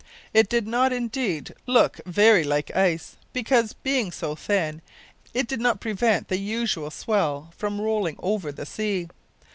It did not, indeed, look very like ice, because, being so thin, it did not prevent the usual swell from rolling over the sea.